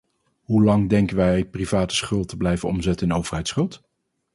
Hoelang denken wij private schuld te blijven omzetten in overheidsschuld?